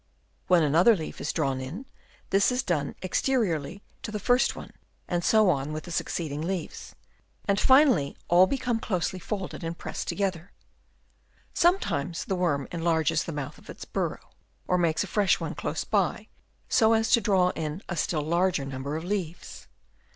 When another leaf is drawn in, this is done exteriorly to the first one, and so on with the succeeding leaves ; and finally all become closely folded and pressed together. Sometimes the worm enlarges the mouth of its burrow, or makes a fresh one close by, so as to draw in a still larger number of leaves.